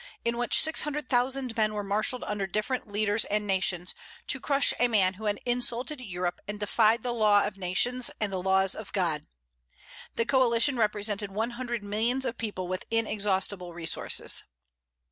in which six hundred thousand men were marshalled under different leaders and nations, to crush a man who had insulted Europe and defied the law of nations and the laws of God. The coalition represented one hundred millions of people with inexhaustible resources.